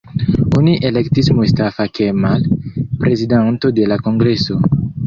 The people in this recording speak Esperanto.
Oni elektis Mustafa Kemal prezidanto de la kongreso.